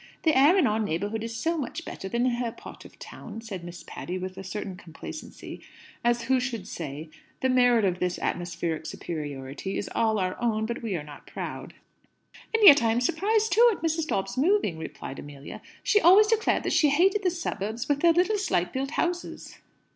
The air in our neighbourhood is so much better than in her part of the town," said Miss Patty, with a certain complacency, as who should say, "The merit of this atmospheric superiority is all our own; but we are not proud." "And yet I am surprised, too, at Mrs. Dobbs moving," replied Amelia. "She always declared that she hated the suburbs, with their little slight built houses."